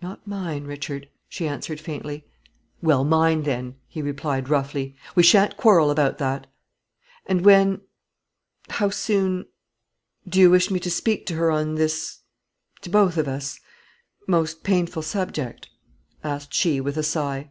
"Not mine, Richard," she answered faintly. "Well, mine, then," he replied, roughly; "we shan't quarrel about that." "And when how soon do you wish me to speak to her on this, to both of us, most painful subject?" asked she, with a sigh.